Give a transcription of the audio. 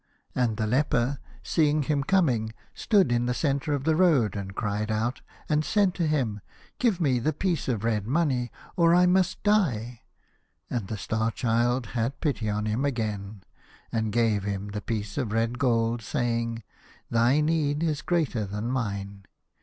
And the leper seeing him coming, stood in the centre of the road, and cried out, and said to him, " Give me the piece of red money, or I must die," and the Star Child had pity on him again, and gave him the piece of red gold, saying, " Thy need is greater than mine."